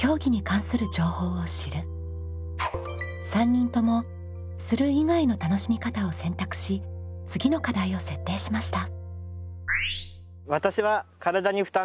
３人とも「する」以外の楽しみ方を選択し次の課題を設定しました。